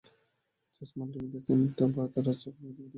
জাজ মাল্টিমিডিয়া ও ভারতের রাজ চক্রবর্তী প্রোডাকশনস করছে নূর জাহান ছবিটি।